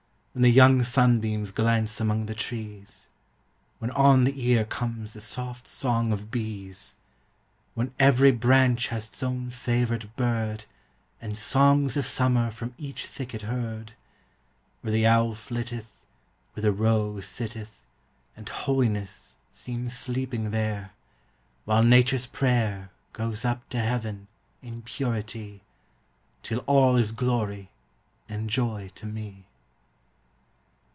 When the young sunbeams glance among the trees When on the ear comes the soft song of bees When every branch has its own favorite bird And songs of summer from each thicket heard! Where the owl flitteth, Where the roe sitteth, And holiness Seems sleeping there; While nature's prayer Goes up to heaven In purity, Till all is glory And joy to me!